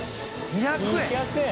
「２００円」！？